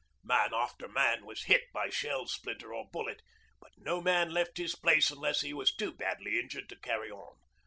Man after man was hit by shell splinter or bullet, but no man left his place unless he was too badly injured to carry on.